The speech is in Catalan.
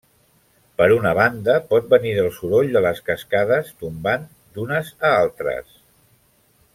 Per una banda pot venir del soroll de les cascades tombant d'unes a altres.